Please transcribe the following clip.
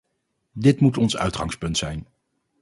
Dit moet ons uitgangspunt zijn.